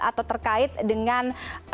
atau terkait dengan